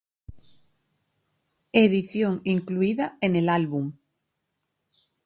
Edición incluida en el álbum.